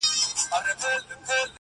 نه به سر ته وي امان د غریبانو-